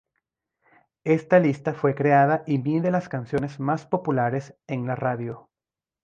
Esta lista fue creada y mide las canciones más populares en la radio.